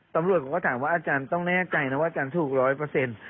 ตำรวจผมก็ถามว่าอาจารย์ต้องแน่ใจนะว่าอาจารย์ถูกร้อยเปอร์เซ็นต์